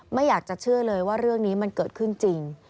ไม่อยากจะเชื่อเลยว่าเรื่องนี้มันเกิดขึ้นจริง